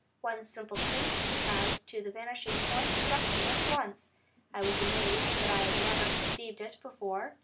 One simple truth as to the vanishing point struck me at once. I was amazed that I had never perceived it before.